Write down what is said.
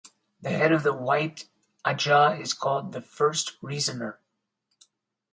The head of the White Ajah is called the First Reasoner.